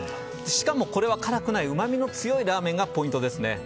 しかも、これは辛くないうまみの強いラーメンがポイントですね。